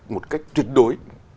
một cách tuyệt đối